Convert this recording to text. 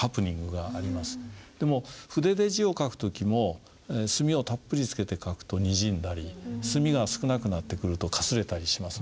でも筆で字を書く時も墨をたっぷりつけて書くとにじんだり墨が少なくなってくるとかすれたりしますね。